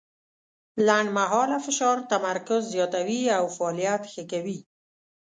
لنډمهاله فشار تمرکز زیاتوي او فعالیت ښه کوي.